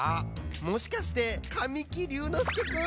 もしかして神木隆之介くん？